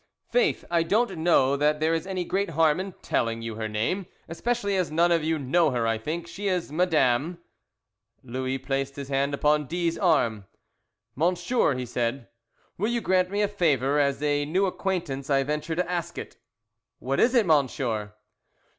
"Faith, I don't know that there is any great harm in telling you her name, especially as none of you know her I think. She is Madame " Louis placed his hand upon D 's arm. "Monsieur," he said; "will you grant me a favour? As a new acquaintance I venture to ask it!" "What is it, monsieur?"